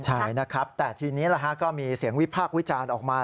ใช่นะครับแต่ทีนี้ก็มีเสียงวิพากษ์วิจารณ์ออกมา